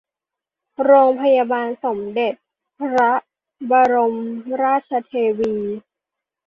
โรงพยาบาลสมเด็จพระบรมราชเทวี